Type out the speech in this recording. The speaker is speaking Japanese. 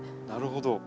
なるほど。